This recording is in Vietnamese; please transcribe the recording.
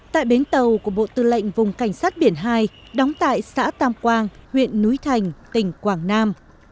tại bến tàu của bộ tư lệnh vùng cảnh sát biển hai đóng tại xã tam quang huyện núi thành tỉnh quảng nam